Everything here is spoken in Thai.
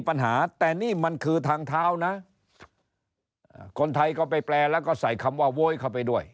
ปัญหาแต่นี่มันคือทางเท้านะคนไทยก็ไปแปลแล้วก็ใส่คำว่าโวยเข้าไปด้วย